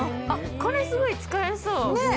これ、すごい使いやすそう。